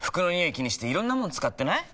気にしていろんなもの使ってない？